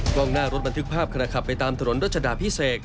กล้องหน้ารถบันทึกภาพขณะขับไปตามถนนรัชดาพิเศษ